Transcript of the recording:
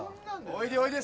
おいでおいで。